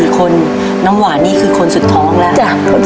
๔คนน้ำหวานนี่คือคนสุดท้องแล้ว